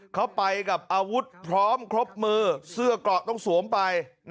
เขาไปกับอาวุธพร้อมครบมือเสื้อเกราะต้องสวมไป